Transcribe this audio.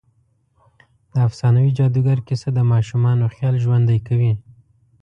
د افسانوي جادوګر کیسه د ماشومانو خيال ژوندۍ کوي.